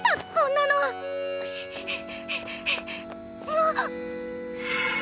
あっ！